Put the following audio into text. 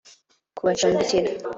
kubacumbikira